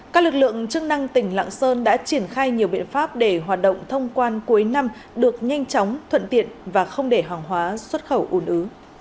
các lực lượng chức năng tỉnh lạng sơn đã triển khai nhiều biện pháp để hoạt động thông quan cuối năm được nhanh chóng thuận tiện và không để hàng hóa xuất khẩu ủn ứ